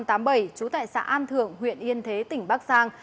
trú tại xã an thượng huyện yên thế tỉnh bắc giang